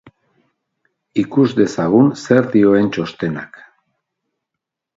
Ikus dezagun zer dioen txostenak.